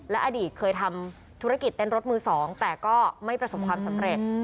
อดีตเคยทำธุรกิจเต้นรถมือ๒แต่ก็ไม่ประสบความสำเร็จ